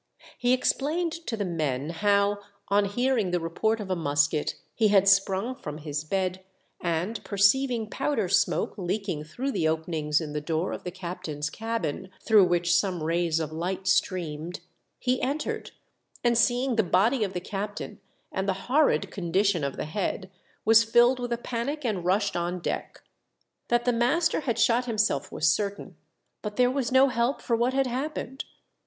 He ex plained to the men how, on hearing the report of a musket, he had sprung from his bed, and perceiving powder smoke leaking through the openings in the door of the captain's cabin, through which some rays of liq ht streamed, he entered, and seeinof the body of the captain, and the horrid con dition of the head, was filled with a panic and rushed on deck. That the master had shot himself was certain, but there was no help for what had happened.